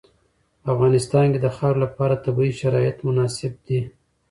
په افغانستان کې د خاوره لپاره طبیعي شرایط مناسب دي.